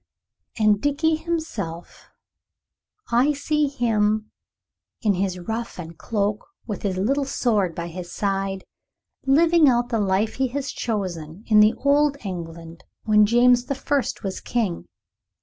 And Dickie himself. I see him in his ruff and cloak, with his little sword by his side, living out the life he has chosen in the old England when James the First was King.